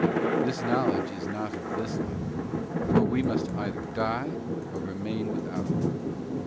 This knowledge is not of this life, for we must either die, or remain without it.